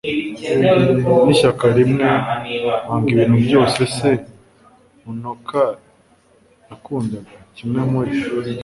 n'ishyaka rimwe - kwanga ibintu byose se unoka yakundaga. kimwe muri